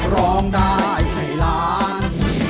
ร้องได้ให้ล้าน